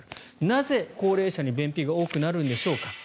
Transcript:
なぜ、高齢者に便秘が多くなるんでしょうか。